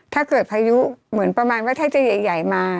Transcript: พายุเหมือนประมาณว่าถ้าจะใหญ่มา